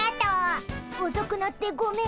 おそくなってごめん。